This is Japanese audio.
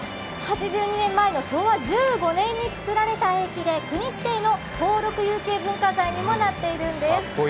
８２年前の昭和１５年につくられた駅で国指定の登録有形文化財にもなっているんです。